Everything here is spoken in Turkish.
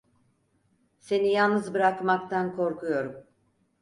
Seni yalnız bırakmaktan korkuyorum…